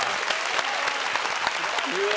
うわ。